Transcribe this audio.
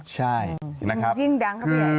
ใช่นะครับ